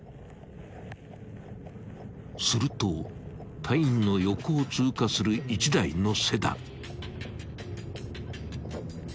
［すると隊員の横を通過する一台のセダン］